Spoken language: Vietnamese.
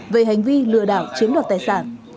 về hành vi lừa đảo chiếm đoạt tài sản